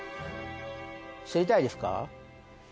知りたいですか？